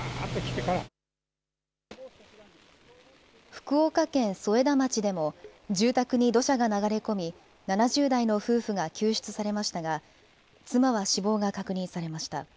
福岡県添田町でも住宅に土砂が流れ込み７０代の夫婦が救出されましたが妻は死亡が確認されました。